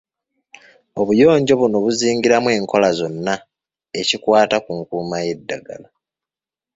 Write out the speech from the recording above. Obuyonjo buno buzingiramu enkola zonna ekikwata ku nkuuma y'eddagala.